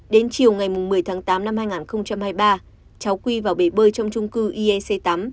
đến chiều ngày một mươi tháng tám năm hai nghìn hai mươi ba cháu quy vào bể bơi trong trung cư iec tám